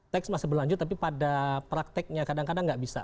teks masih berlanjut tapi pada prakteknya kadang kadang nggak bisa